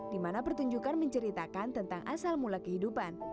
di mana pertunjukan menceritakan tentang asal mula kehidupan